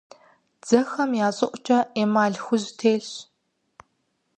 Дзэхэм я щӀыӀукӀэ эмаль хужь телъщ.